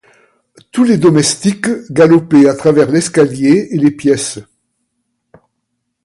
Tous les domestiques galopaient à travers l'escalier et les pièces.